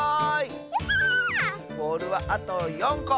ボールはあと４こ！